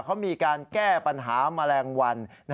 เขามีการแก้ปัญหาแมลงวัน